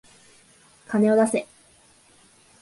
金を出せ。